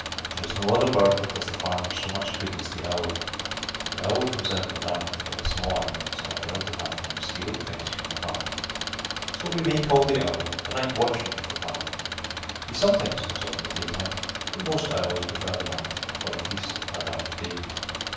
There is no other bird that does the farmer so much good as the owl. The owl comes out in the dark to get the small animals that are out at that time stealing things from the farmer. So we may call the owl the night watchman of the farm. He sometimes comes out in the daytime, but most owls prefer the night or at least a dark day.